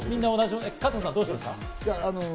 加藤さん、どうしました？